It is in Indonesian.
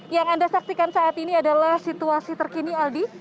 yang anda saksikan saat ini adalah situasi terkini aldi